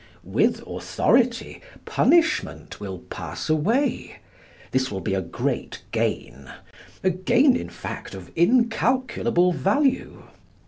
With authority, punishment will pass away. This will be a great gain—a gain, in fact, of incalculable value.